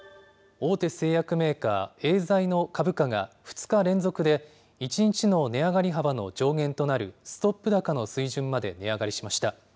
大手製薬メーカー、エーザイの株価が、２日連続で１日の値上がり幅の上限となるストップ高の水準まで値上がりしました。